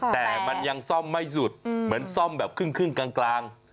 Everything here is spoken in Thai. แต่มันยังซ่อมไม่สุดเหมือนซ่อมแบบครึ่งกลาง